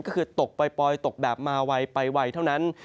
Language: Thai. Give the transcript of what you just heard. ก็คือตกปล่อยตกแบบมาไวไปไวเท่านั้น